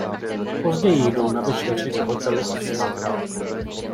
Později jdou na večeři do hotelu a slaví.